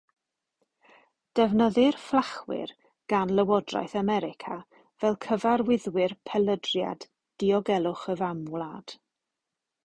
Defnyddir fflachwyr gan lywodraeth America fel cyfarwyddwyr pelydriad Diogelwch y Famwlad.